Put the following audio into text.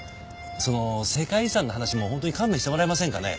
その世界遺産の話もホントに勘弁してもらえませんかね？